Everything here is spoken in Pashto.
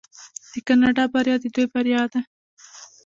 د کاناډا بریا د دوی بریا ده.